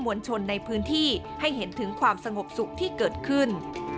วลชนในพื้นที่ให้เห็นถึงความสงบสุขที่เกิดขึ้น